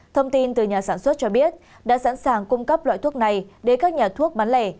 thông tin từ nhà sản xuất cho biết đã sẵn sàng cung cấp loại thuốc này đến các nhà thuốc bán lẻ